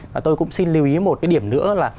và tôi cũng xin lưu ý một cái điểm nữa là